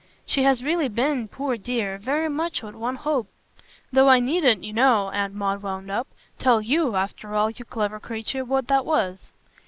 She has really been, poor dear, very much what one hoped; though I needn't, you know," Aunt Maud wound up, "tell YOU, after all, you clever creature, what that was."